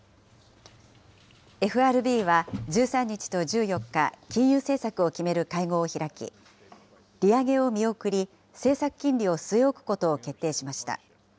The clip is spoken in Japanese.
ＦＲＢは１３日と１４日、金融政策を決める会合を開き、利上げを見送り、政策金利を据え置くことを決定しました。